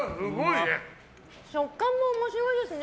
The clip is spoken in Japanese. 食感も面白いですね